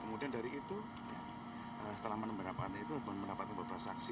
kemudian dari itu setelah mendapatkan itu mendapatkan beberapa saksi